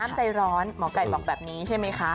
น้ำใจร้อนหมอไก่บอกแบบนี้ใช่ไหมคะ